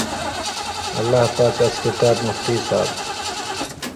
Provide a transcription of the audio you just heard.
اللہ پاک اَس کِتاب مُفتی صاحب